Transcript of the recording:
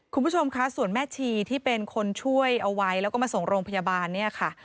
คุณผู้ชมคะส่วนแม่ชีที่เป็นคนช่วยเอาไว้แล้วก็มาส่งโรงพยาบาลเนี่ยค่ะ